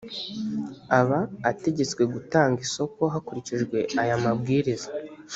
aba ategetswe gutanga isoko hakurikijwe aya mabwiriza